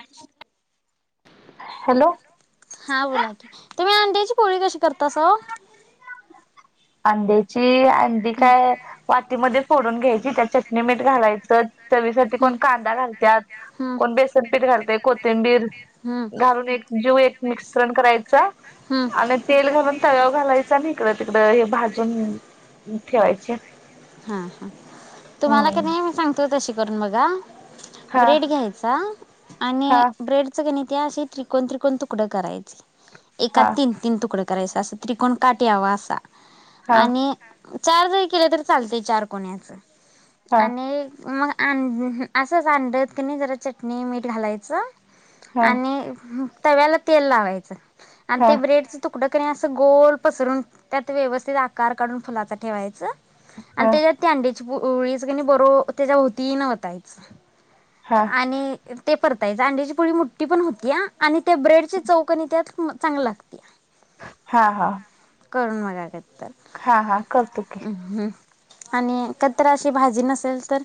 [inaudible] Hello. हा बोला की, तुम्ही अंड्याची पोळी कशी करता साओ? अंड्याची‌. ते अंडी काय वाटीमध्ये फोडून घ्यायची त्या चटणी मीठ घालायचं. चवीसाठी हम्म कोण कांदा घालत्यात, हम्म कोण बेसनपीठ घालते, कोथिंबीर हम्म घालून एक जीव एक [unintelligible] [unintelligible] करायचा हम्म आणि तेल घालून तव्या घालायच आणि ईकड त हे भाजून ठेवायचे. हां हां. तुम्हाला क हम्म नाई मी सांगतो तशी करून बघा. हा ब्रेड घ्यायचा आणि हा ब्रेडच क नाई ते असे त्रिकोण त्रिकोण तुकडं करायची एकात हा तीन तीन तुकडं करायचं असं त्रिकोण काट यावा असा. हा आणि चार जरी केले तर चालतेय चार कोण्याचं. हा आणि मग अं असंच, अंड्यात कनी जरा चटणी, मीठ घालायचं. हा आणि तव्याला तेल लावायचं. आणि हा ते ब्रेड च तुक पुढं कणी असं गोल पसरून, त्यात व्यवस्थित आकार काढून फुलाचा ठेवायचं. आणि हा त्याच्यात ती आंडी ते ओळीच कनी, बरोबर त्याच्या भोवती न ओतायच. हा आणि [unintelligible] ते परतायच, आहे आड्याची ची पोळी मोठी पण होतीया आणि ते ब्रेड ची चौकनी त्यात म चांगलं लागतया. हा हा. करून बघा कस. हा हा करतो की, आणि कधितरी अशी भाजी नसेल, तर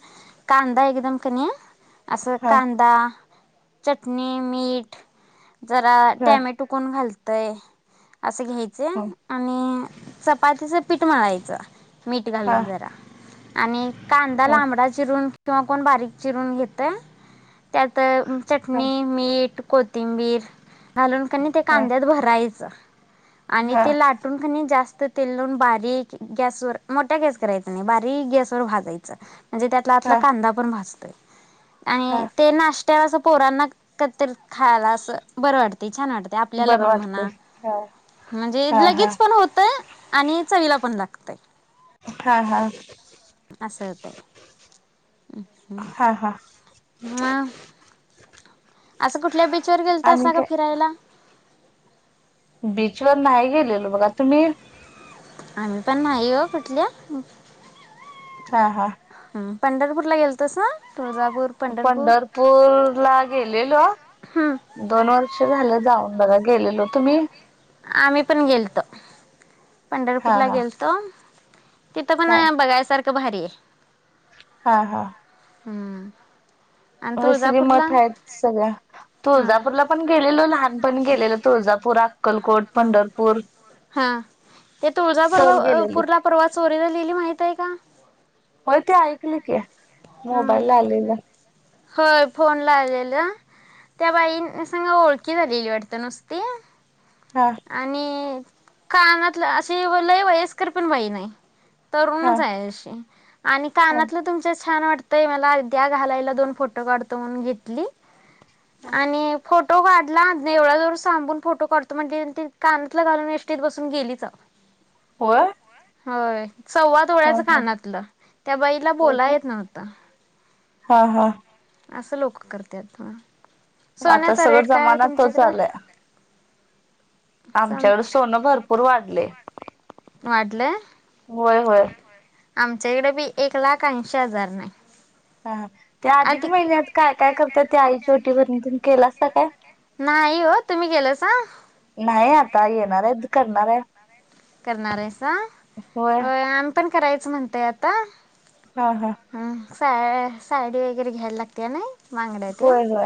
कांदा एकदम कणी आसं हा कांदा चटनी, मीट जरा हा टॅमेटो कोन घाल तय. असे घ्यायचे हा आणि चपातीचं पीठ मळायचं. मीठ हा घालून जरा आणि कांदा हा लांबडा चिरून किंवा कोण बारीक चिरून घेतय त्यात चटणी मीठ कोतीिंबीर घालून कनी ते हा कांद्यात भरायचं आणि ते लाटून खनी जास्त तेून बारीक गॅस वर मोठ्या गॅस करायचा नाही बारीक गॅसवरर भाजायचं म्हणजे त्यातलातला हा कांदा पण भाजतो हा आणि ते नाश त्याला असं पोरांना कतर खायला असं बरं वाटते छान वाटते आपल्याला बरं पण वाटते म्हणा हा म्हणजे हा हा लगेच पण होतय आणि चवीला पण दाखत नाही हा हा अस होतय हा हा मग असं कुठल्या बीचवर गेल तर आणि असा ग फिरायला बीचवर नाही गेलेलो बघा तुम्ही आम्ही पण नाही ग कुठल्या हा हा पंढरपूर ला गेलतोस ना तुळजापूर पंढरपूर ला गेलेलो हम्म दोन वर्ष झालं जाऊ बघ गेलेलो तुम्ही आम्ही पण गेलतो हा पंढरपूरला हा गेलतो तिथं हा पण बघायसारख एकभारी आहे हा हा हम्म आणि सगळी तुळजापूरला मठ आहेत सगळ्या हां तुळजापूरला पण गेलेलो लहान पण गेलेल तुळजापूरात ह हा ते तुळजपवा सहल गेलेली पुरला परवा चोरीला लिहिली माहित आहे का हो ते ऐकली की मोबाईल आलल हो फोन ला आलेलं त्या बाई सांगा ओळखी झालेली वाटतं नुसती. हा आणि कानातलं असशी लय वयस्कर पण बाई नाही हा तरुणच आहे अशी आणि हा कानातलं तुमच्या छान वाटतय मला अद्या घालायला दोन फोटो काढतो म्हणून घेतली आणि फूट फोटो काढला देवळाजवळ थांबून, फोटो काढतो म्हणली आणि कानतल घालून एसटीत बसून गेलीच. व्हय. व्हय. सव्वाद ओळ्याचं कानातलं त्या बाईला होय काय बोलायेत ता. हा हा. असं लोक करत्यात ह आता सगळं जमाना तोच आलाय. सम आमच्याकडे सोनं भरपूर वाढलंय. वाढलंय. होय होय. आमच्या इकडे बी एक लाख ऐशी हजार न हाय. हा त्या अधिक महिन्यात काय काय करतात ते आईची ओटी भरनी तिनं केलासा काय? नाही हो. तुम्ही केलासा? नाही आता येणार आहेत. करणार आहे. करणार हायसा, होय आम्ही पण करायचं म्हणतय आता हा हा. हं सा साडी वगैरे घ्यायला लागत्या नाई. होय होय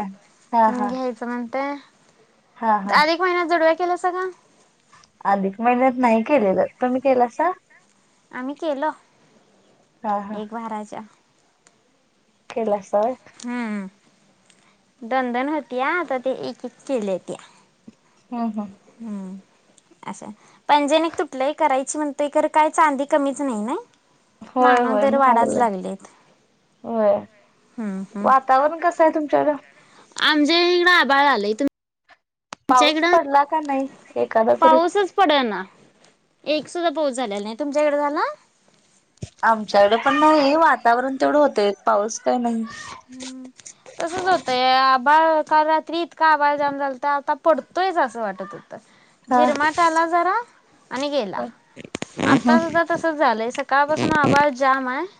हा हा घ्यायचं म्हण ते. हा हा काल एक महिना जुडव्या केलासा का? अधिक महिन्यात नाही केलेलं. तुम्ही केलासा? आम्ही केलं. हा हा एक भराच्या. केलासा व्हय. हम्म दोन दोन होत्या आता ते एक एक केल्यात्या. हम् हम. हम्म असं पैंजण एक तुटलंय करायची म्हणत काय चांदी कमीच नाही. होय नाव नाव होय दर वाढाच महागले. लागलेत होय हम्म हम्म वातावरण कसं आहे तुमच्याकड? आमच्या इकडे आभाळ आलय तु पाऊस पडला का नाही? एखादा तरी पाऊसच पडना. एक सुद्धा पाऊस झालेला नाही तुमच्याकडे झाला. आमच्याकडे पण नाही वातावरण तेवढं होत पाऊस काही नाही. हम् तसच होतय आबाळ काल रात्री इतका आबाळ जाम झाला तर आता पडतोयच असं वाटत होत. हा झिरमाट आला जरा आणि गेला हम्म आता सुद्धा तस झालंय सकाळ पासून आभज जाम आहे-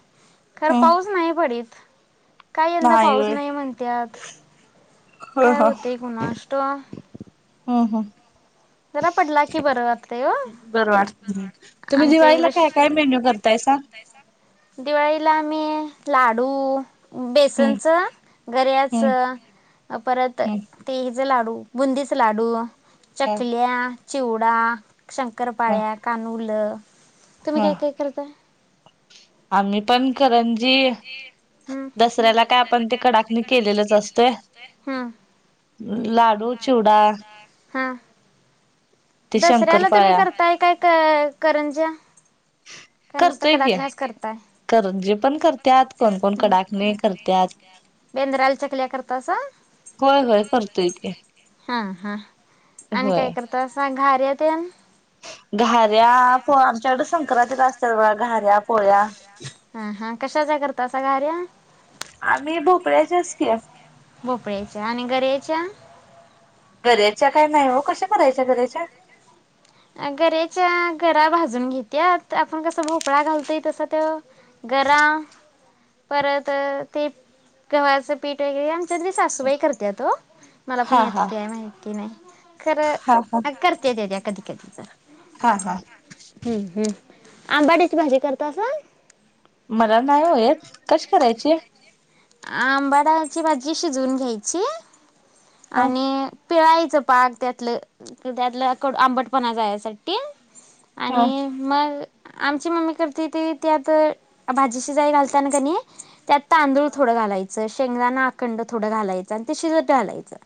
खर हम्म पाऊस नाही पडीत. काय यंदा पाऊस नाही म्हणतत ह काय ह होते कुणास ठाऊक. [inaudible] जरा पडला कि बरं वाते हम्म बरं वाटत तुम्ही आमच्या दिवाळीला इडे काय काय मेन्यू करतायसा दिवाळीला आम्ही लाडू हम्म बेसनच हम्म गऱ्याच परत हम्म ते लाडू, बुंदीचे लाडू [inaudible] ह चूडा शंकर ह पाळ्या कानूल तुम्ही ह काय काय करताय. आम्ही पण खरंजी दसऱ्याला काय आपण ते कडाकणी केलेलंच असतय. लाड. [inaudible] हा. दसऱ्याला तुम्ही शंकरपाळ्या करताय काय करंज्या काय नुसतं करतोय कि कडाकण्याच करताय कर जे पण करतत कोणकण कडाकणी करतत बेंद्राला चकल्या करतासा होय होय करतोय कि हा हा होय. बर्याद घऱ्या पोळ्या आमच्याकड संक्रांती ला असत बघ घऱ्या पोळ्या ह हा कशाच्या करत अस गार्या आम्ही भोकळ्याच्या असती भोपळ्याच्या आणि गर्याच्या करायच्या काय नाही हो कश करायच. कयच्या घरेच्या गरा भाजून घेतया आपण कस भोपळा घालतोय तसा त्या गराम. परत ते गव्हाचं पीठ वगैरे त्यातरी सासूबाई करते तो मला पण हा यातली हा काय माहिती नाही खरं हा हा करते य येत्या. ठीक सर हा हा हम्म हम्म. आंबाटची भाजी करत अस मला नाही होयेत कशी करायचे? आंबाडायची भाजी शिजवून घ्यायची. हा आणि. पिळायचं पाक त्यातलं त्यातलं आंबट पणा जासाठी हा आणि मग आमची मम्मी करते ते त्यात भाजीशी जाई घालतना कणी त्यात तांदूळथोडायच शेंगदाानना अखंड थोडं घालायचं आणि ते शिजत घालायचं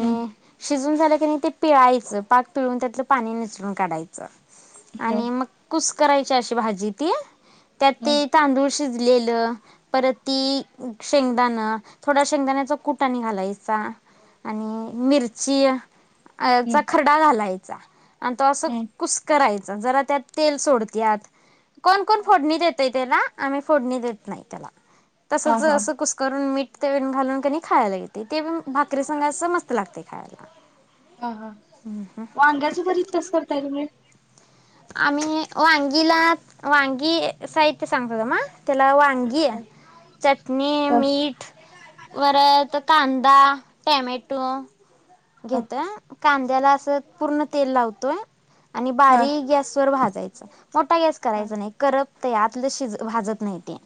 हम्म शिजून झाल्या की नाही ते पिळायचं पाक पिळून त्यातलं पाणी निसरून काढायचं हम्म आणि मग कुस करायची अशी भाजी ती त्यात हम्म ते तांदूळ शिज लं परत ती शेंगदाण थोड शेंगदाण्याचा कुटनी घालायचा. आणि हम्म मिरची अ चा खरडा झालाय. हा. आणि तो असं हम्म कुस करायच जरा त्यात तेल सोडतत कोण कोण फोडणी देतेत. त्याला आम्ही फोडणी देत नाही त्याला. हा तसच हा असं कुसकरून मीठ ते घालून कणी खायला येते ते भाकरी सांगायचं मस्त लागते खायला. हा हा व वाग्याचं भरीत. स करताय तुम्ही? आम्ही वांगीला वांगी साहित्य सांगतोत म त्याला वांगी हा आहे चटणी हा मीठ वरत कांदा दा टमॅटो घेतोय. कांद्याला असं पूर्ण तेल लावतोय. आणि हा बारीक गॅस वर भात जायच मोठा गॅस करायचा नाही करप तर यातलं शिज भाजत नाही ते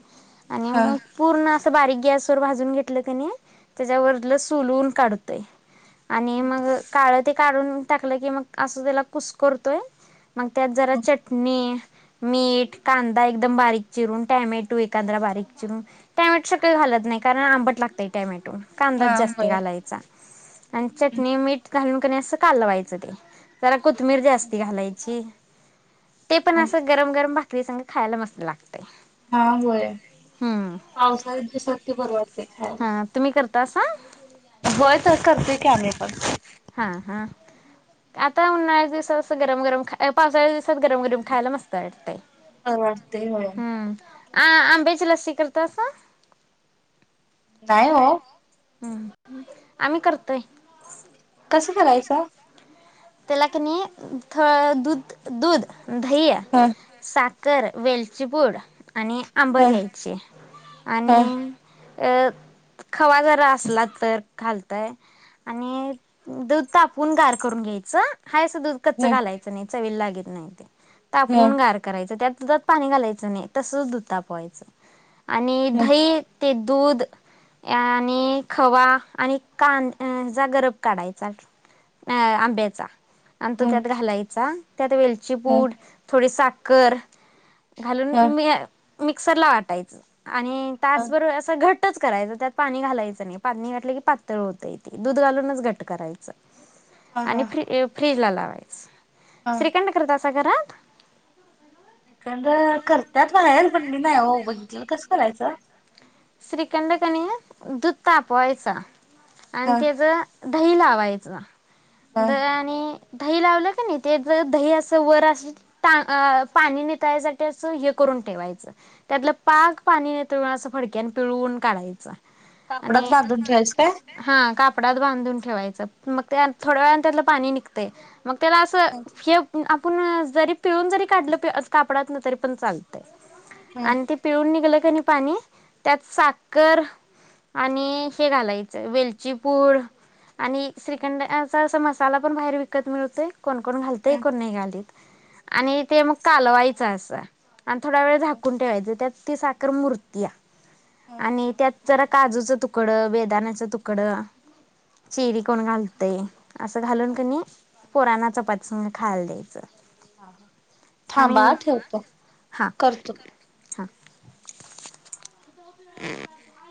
हा आणि पूर्ण अस बारीक गस व भाून घेत त्याच्यावर सून काढतय आणि मग काळ ते काढून टाकलं की मग असं त्याला कुस करतोय. मग त्यात जरा चटणी मीठ कांदा एकदम बारीक चिरून टॅमॅटो एकाद्रा बारीक चिरून टॅमॅटो शक्य घालत नाही कारण आंबट लागतय टॅमॅटो. कांदाच जास्ती होय घालायचा. पंचत निममीट घालून का नाही असं कालवायचं ते. जरा कोथबिर जास्ती घालायची. ते पण हा होय असं गरम गरम भा ते साग खायला मस्त लागते. हा होय पावसाच्या दिवसात ते परवडते खायला. तसाां? होय तर करते. कॅमरेपण हा हा आता उन्नाळ्या दिवसात असं गरम गरम पावसाळ्या दिवसात गरम गरम खायला मस्त वाटतेय. बरं वाटतंय होय. हम्म अ आंबेची लस्सी करत तसा? नाही हो. हम् आम्ही करतोय. कसं करायचं? त्याला कनी थोडं दूध दूध धैया ह साात तर वेलचीपूड, आणि आंबं ह घ्यायचे ह आणि खवा जरा असला तर घालतंय आणि दूध तापून गार करून घ्याय हं. हय असं दूध कच ह घायच नाही. चवीला लागत नाही ते ह तापवून गार करायचं त्यात दुधात पाणी घालायचं नाही. तसच दूध तापवायचं. आणि ह धही ते दूध आणि खवा आणि कान जा गरब काढायचा आंब्याचा चा आणि तो ह त्यात घालायचा. त्यात वेलची हं पूड थोडी साख कर घालून हा. मी मिक्सरला वाटायचं. आणि हा तासभर असं घट घटच करायचं, त्यात पाणी घालायचं नाही. पाणी घातलं की पातळ होत ते, दूध घालूनच घट करायचं. आणि हा-हा फ्री फ्रीजला लावायचं. श्रीकंठ करदास [unintelligible] एकंदर करतात म्हणा हे पण मी नाही हो बघितलेल. कसं करायचं? श्रीखंड कनी दूध तापवायचा. आणि हा त्याच दही लावायचं हा. दह्यानी दही लावलं का नाही, ते ज दही अस वर अस टा आ पाणी निथळायसाठी असं हे करून ठेवायचं. त्यातलं पाग पाणी निथळून असं फडक्यान पिळवून काढायचा कापडात आणि बांधून ठेवायचं काय? हा काप कापडत बांधून ठेवायचं मग त्या थोड्या वेळाने त्यातलं पाणी निघते. मग त्याला असं हं प [unintelligible] आपण जरी पिळून जरी काढलं ते असं कापडात ना तरी पण चालतय. आणि ते पिळून निघलं कनी पाणी त्यात साखर आणि हे घालाय वेलचीपूड आणि श्रीखंड यांचा असा मसाला पण बाहेर विकत मिळतोय. कोण कोण घालत आहे, हं. कोण नाही घालीत. आणि ते मग कालवायचं असं आणि थोड्या वेळ हा झाकून ठेवायच. त्यात ती साखर मूरतीया. हा आणि त्यात जरा काजूचं तुकडं, बेदाण्याच तुकडं, चिरी, कोण घालतय. असं घालून थांबा कनी पोरांना चपाती संग खायला द्यायचं. थांबा आम्ही ठेवतो, हा करतो हा [inaudible]